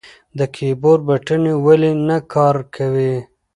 د کیبورډ بټنې ولې نه کار کوي؟